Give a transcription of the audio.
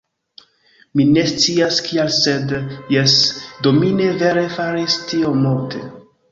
Mi ne scias kial sed, jes, do mi ne vere faris tiom multe